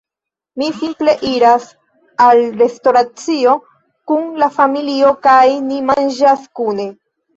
Mi simple iras al restoracio kun la familio kaj ni manĝas kune